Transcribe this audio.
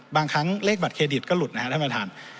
บางครั้งเลขบัตรเครดิตก็หลุดนะครับท่านประธาน